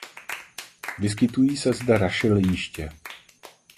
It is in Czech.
Vyskytují se zde rašeliniště.